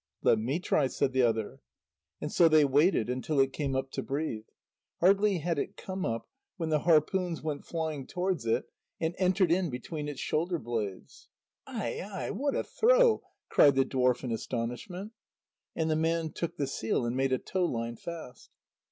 "Let me try," said the other. And so they waited until it came up to breathe. Hardly had it come up, when the harpoons went flying towards it, and entered in between its shoulder blades. "Ai, ai what a throw!" cried the dwarf in astonishment. And the man took the seal and made a tow line fast.